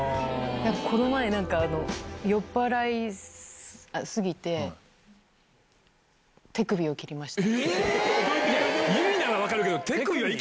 この前、酔っぱらい過ぎて、手首を切りました。